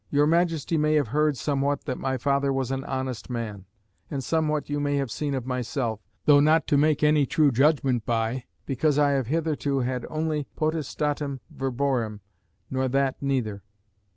Your Majesty may have heard somewhat that my father was an honest man, and somewhat you may have seen of myself, though not to make any true judgement by, because I have hitherto had only potestatem verborum, nor that neither.